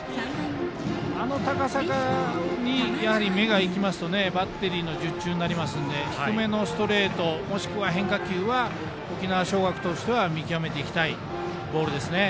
あの高さにやはり目がいきますとバッテリーの術中になりますので低めのストレートもしくは変化球は沖縄尚学としては見極めていきたいボールですね。